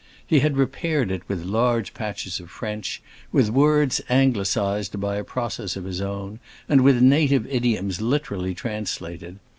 He had repaired it with large patches of French, with words anglicized by a process of his own, and with native idioms literally translated.